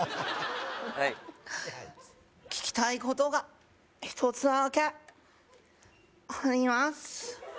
はい聞きたいことが１つだけあります